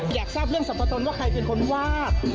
อยากทราบเรื่องสรรพตนว่าใครเป็นคนวาด